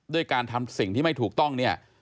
ด้วยการทำสิ่งที่ไม่ถูกต้องเนี่ย